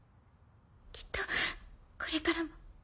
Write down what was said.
きっとこれからも。